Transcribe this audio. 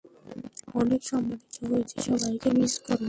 অনেক সম্মানিত হয়েছি সবাইকে মিস করবো।